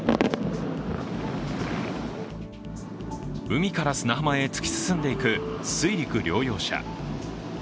海から砂浜へ突き進んでいく水陸両用車。